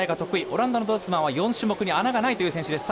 オランダのドルスマンは４種目に穴がないという選手です。